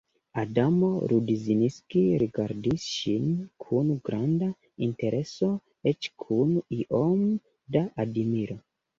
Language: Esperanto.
Adamo Rudzinski rigardis ŝin kun granda intereso, eĉ kun iom da admiro.